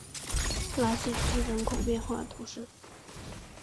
拉谢兹人口变化图示